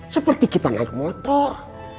seperti kita naik motor